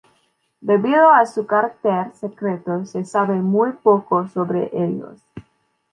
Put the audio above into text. Debido a su carácter secreto, se sabe muy poco sobre ellos.